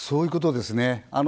そういうことですよね。